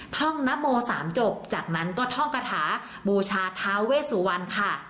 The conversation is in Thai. ท่องนโม๓จบจากนั้นก็ท่องกระถาบูชาท้าเวสุวรรณค่ะ